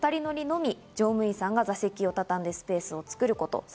２人乗りのみ乗務員さんが座席を畳んで、スペースを作ること。